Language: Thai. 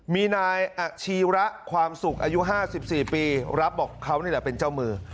มีนายอาชีระความสุขอายุ๕๔ปีรับบอกเขานี่แหละเป็นเจ้ามือ